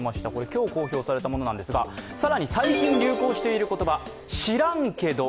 今日公表されたものですが、更に最近流行している言葉、「知らんけど」